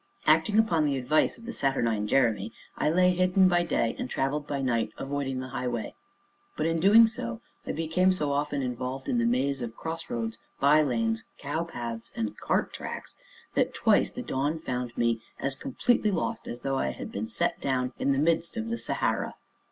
Acting upon the advice of the saturnine Jeremy, I lay hidden by day, and traveled by night, avoiding the highway. But in so doing I became so often involved in the maze of cross roads, bylanes, cow paths, and cart tracks, that twice the dawn found me as completely lost as though I had been set down in the midst of the Sahara.